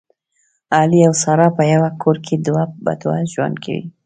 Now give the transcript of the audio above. علي او ساره په یوه کور کې دوه په دوه ژوند کوي